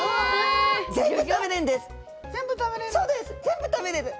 全部食べれる！